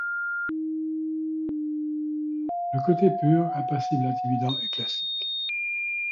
Le côté pur, impassible, intimidant est classique.